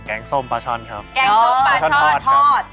แกงส้มปลาช่อนทอด